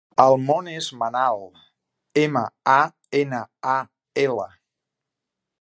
El nom és Manal: ema, a, ena, a, ela.